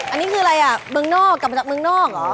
อันนี้คืออะไรอ่ะเมืองนอกกลับมาจากเมืองนอกเหรอ